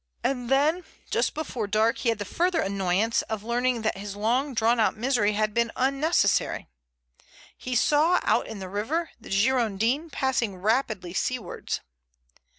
And then just before dark he had the further annoyance of learning that his long drawn out misery had been unnecessary. He saw out in the river the Girondin passing rapidly seawards.